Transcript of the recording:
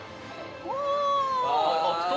お！